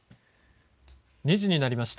２時になりました。